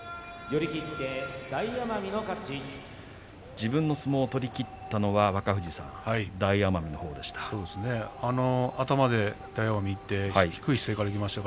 自分の相撲を取り切ったのは若藤さん、大奄美のほうでした。